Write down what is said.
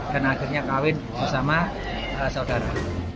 dan akhirnya kahwin bersama saudara